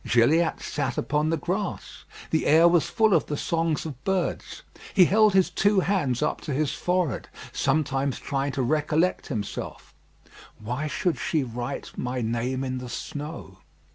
Gilliatt sat upon the grass. The air was full of the songs of birds. He held his two hands up to his forehead, sometimes trying to recollect himself: "Why should she write my name in the snow?"